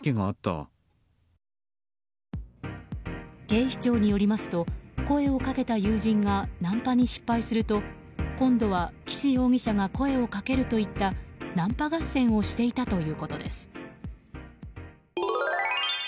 警視庁によりますと声をかけた友人がナンパに失敗すると今度は岸容疑者が声をかけるといったナンパ合戦をしていたということです。